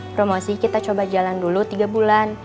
promosi kita coba jalan dulu tiga bulan